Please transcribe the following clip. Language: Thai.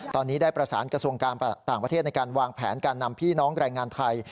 ตอนนี้ได้ประสานกระทรวงการต่างประเทศในการวางแผนการนำพี่น้องแรงงานไทย